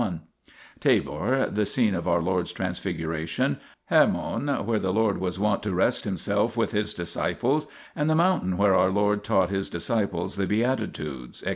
i); Tabor, the scene of our Lord's Transfiguration ; Hermon, where the Lord was wont to rest Himself with His disciples, and the mountain where our Lord taught His disciples the beatitudes, etc.